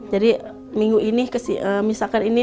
jadi minggu ini misalkan ini